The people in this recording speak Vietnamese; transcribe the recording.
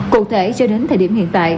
cụ thể cho đến thời điểm hiện tại